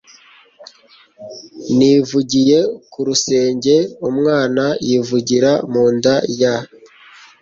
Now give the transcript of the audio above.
nivugiye ku rusenge, umwana yivugira mu nda ya